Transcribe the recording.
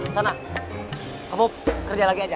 sana kamu kerja lagi aja